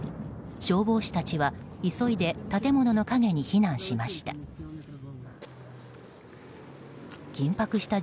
消防士たちは急いで建物の陰に避難しました。